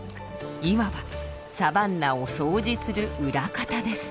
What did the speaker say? いわばサバンナを掃除する「裏方」です。